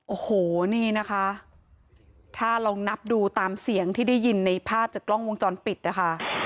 โอ้โหนี่นะคะถ้าลองนับดูตามเสียงที่ได้ยินในภาพจากกล้องวงจรปิดนะคะ